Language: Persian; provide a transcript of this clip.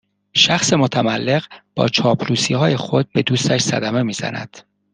شخص متملق با چاپلوسیهای خود به دوستش صدمه میزند